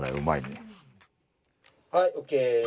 はいＯＫ！